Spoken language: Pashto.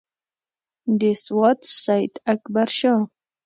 د سوات سیداکبرشاه.